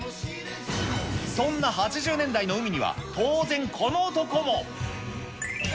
そんな８０年代の海には、当然、この男も。